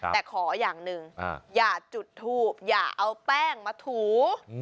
แต่ขออย่างหนึ่งอย่าจุดทูบอย่าเอาแป้งมาถู